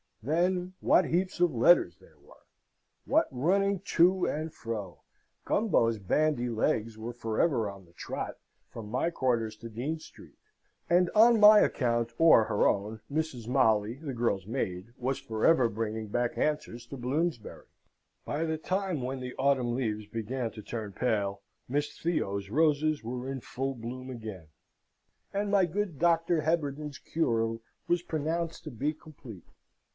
Then, what heaps of letters there were! what running to and fro! Gumbo's bandy legs were for ever on the trot from my quarters to Dean Street; and, on my account or her own, Mrs. Molly, the girl's maid, was for ever bringing back answers to Bloomsbury. By the time when the autumn leaves began to turn pale, Miss Theo's roses were in full bloom again, and my good Doctor Heberden's cure was pronounced to be complete.